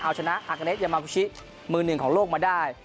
เอาชนะอากาเนสยามาบูชิมือหนึ่งของโลกมาได้